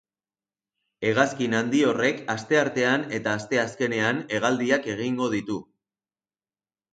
Hegazkin handi horrek asteartean eta asteazkenean hegaldiak egingo ditu.